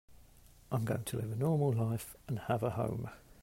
I'm going to live a normal life and have a home.